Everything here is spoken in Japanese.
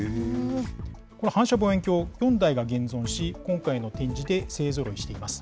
この反射望遠鏡、４台が現存し、今回の展示で勢ぞろいしています。